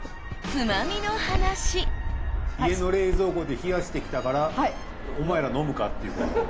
家の冷蔵庫で冷やしてきたからお前ら飲むか？っていうこと？